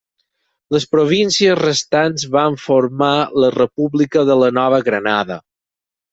Les províncies restants van formar la República de la Nova Granada.